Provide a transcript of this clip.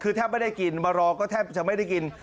คือแทบไม่ได้กินมารอก็แทบจะไม่ได้กิน